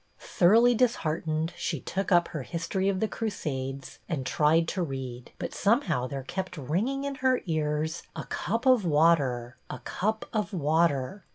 Thoroughly disheartened, she took up her " Histoi'y of the Crusades " and tried to read, but somehow there kept ringing in her ears, "a cup of water, a cup of water."